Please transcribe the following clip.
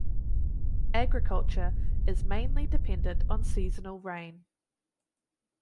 Agriculture is mainly dependent on seasonal rain.